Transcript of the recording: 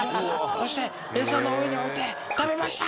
そして餌の上に置いて食べました！